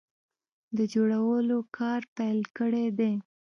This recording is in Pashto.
د جوړولو کار پیل کړی دی